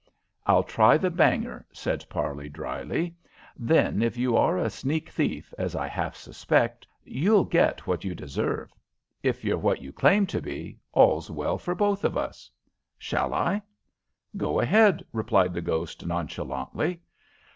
"I'll try the banger," said Parley, dryly. "Then if you are a sneak thief, as I half suspect, you'll get what you deserve. If you're what you claim to be, all's well for both of us. Shall I?" "Go ahead," replied the ghost, nonchalantly.